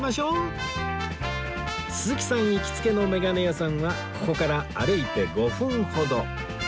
鈴木さん行きつけのメガネ屋さんはここから歩いて５分ほど